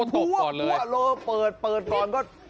กลัวเปิดก่อน